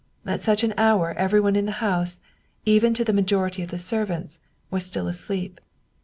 At such an hour everyone in the house, even to the majority of the servants, was still asleep.